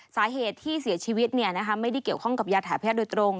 สาเหตุที่เสียชีวิตไม่ได้เกี่ยวข้องกับยาถ่ายแพทย์โดยตรง